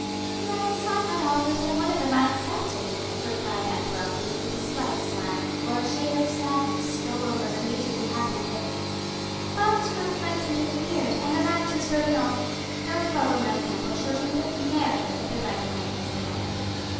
"Yes, I had offers, and one of them I accepted," replied Aunt Wealthy, with a slight sigh, while a shade of sadness stole over her usually happy face, "but my friends interfered and the match was broken off. Don't follow my example, children, but marry if the right one comes along."